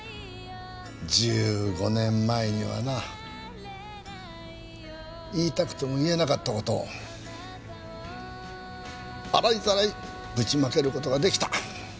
１５年前にはな言いたくても言えなかった事を洗いざらいぶちまける事が出来た。